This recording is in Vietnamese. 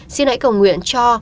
xin hãy cầu nguyện cho